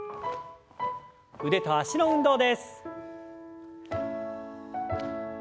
腕と脚の運動です。